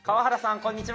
こんにちは。